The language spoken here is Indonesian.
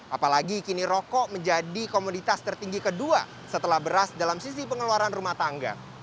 apalagi kini rokok menjadi komoditas tertinggi kedua setelah beras dalam sisi pengeluaran rumah tangga